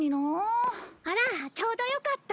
あらちょうどよかった。